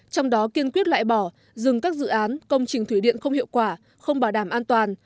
trong đó kiên quyết loại bỏ dừng các dự án công trình thủy điện không hiệu quả không bảo đảm an toàn